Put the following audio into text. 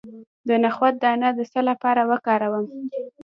د نخود دانه د څه لپاره وکاروم؟